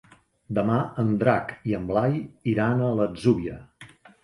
Demà en Drac i en Blai iran a l'Atzúbia.